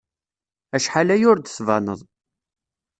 Acḥal aya ur d-tbaned.